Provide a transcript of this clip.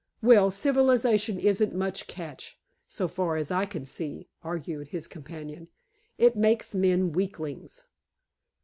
"Well, civilization isn't much catch, so far as I can see," argued his companion. "It makes men weaklings."